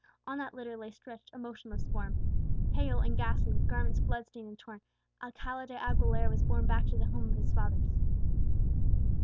On that litter lay stretched a motionless form. Pale and ghastly, with garments blood stained and torn, Alcala de Aguilera was borne back to the home of his fathers.